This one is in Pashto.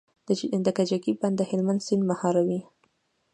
د کجکي بند د هلمند سیند مهاروي